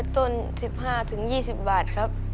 ต้น๑๕๒๐บาทครับ